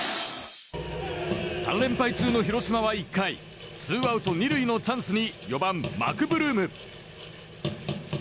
３連敗中の広島は、１回ツーアウト２塁のチャンスに４番、マクブルーム。